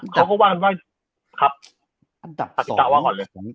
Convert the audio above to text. เขาก็ว่ากันว่าครับมาถิดต่อว่าก่อนเลย